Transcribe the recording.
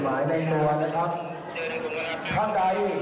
จะได้ไม่มีปัญหาไปหลัง